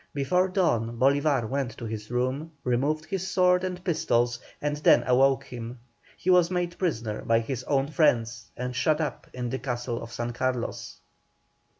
Before dawn Bolívar went to his room, removed his sword and pistols, and then awoke him. He was made prisoner by his own friends and shut up in the castle of San Carlos.